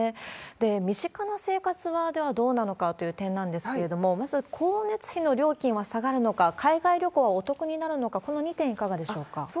身近な生活は、では、どうなのかという点なんですけれども、まず、光熱費の料金は下がるのか、海外旅行はお得になるのか、この２点、いかがでしょうか？